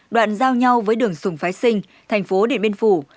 đoạn giao nhau với đường sùng phái sinh thành phố điện biên phủ